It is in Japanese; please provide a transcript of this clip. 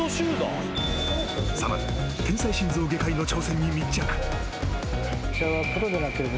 更に、天才心臓外科医の挑戦に密着。